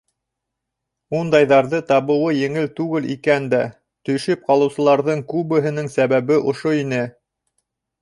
Ундайҙарҙы табыуы еңел түгел икән дә, төшөп ҡалыусыларҙың күбеһенең сәбәбе ошо ине.